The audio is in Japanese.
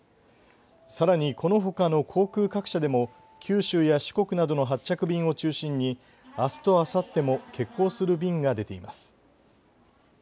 さらにこのほかの航空各社でも九州や四国などの発着便を中心にあすとあさっても欠航する便が出ています。